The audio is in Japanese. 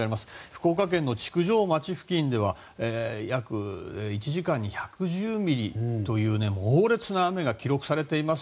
福岡県の築上町付近では約１時間に１１０ミリという猛烈な雨が記録されています。